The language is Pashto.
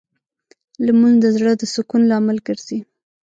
لمونځ د زړه د سکون لامل ګرځي